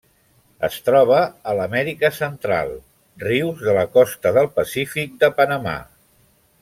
Es troba a l'Amèrica Central: rius de la costa del Pacífic de Panamà.